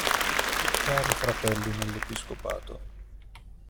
Cari fratelli nell'Episcopato.